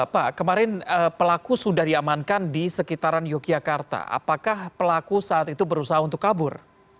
pak kemarin pelaku sudah diamankan di sekitaran yogyakarta apakah pelaku saat itu berusaha untuk kabur